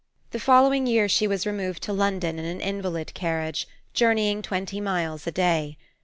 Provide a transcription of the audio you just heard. The following year she was removed to London in an invalid carriage, journeying twenty miles a day.